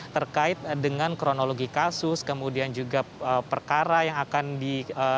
terkait dengan kronologi kasus kemudian juga perkara yang akan di